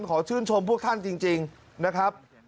ขอชื่นชมพวกท่านจริงนะครับ